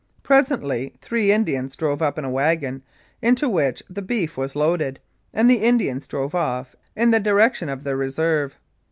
Presently three Indians drove up in a wagon, into which the beef was loaded, and the Indians drove off in the direction of their Reserve.